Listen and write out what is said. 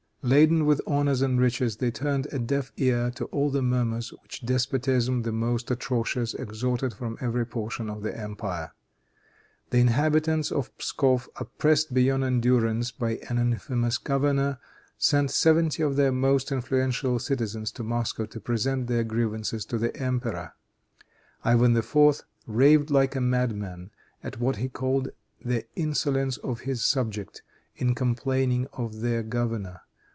Laden with honors and riches, they turned a deaf ear to all the murmurs which despotism, the most atrocious, extorted from every portion of the empire. The inhabitants of Pskof, oppressed beyond endurance by an infamous governor, sent seventy of their most influential citizens to Moscow to present their grievances to the emperor. Ivan IV. raved like a madman at what he called the insolence of his subjects, in complaining of their governor.